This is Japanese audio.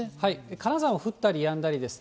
金沢も降ったりやんだりですね。